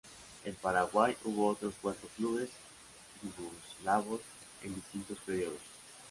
En Paraguay, hubo otros cuatro clubes yugoslavos, en distintos periodos.